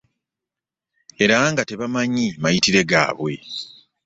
Era nga tebamanyi mayitire gaabwe.